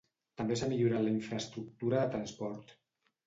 També s'ha millorat la infraestructura de transport.